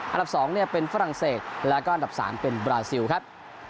อันดับ๒เป็นฝรั่งเศสแล้วก็อันดับ๓เป็นบราซิลครับ